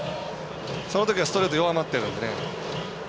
そのときはストレートが弱まっているんで。